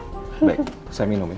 baik saya minum ya